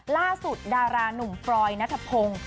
ล่าสุดดารานุ่มฟรอยนัทพงศ์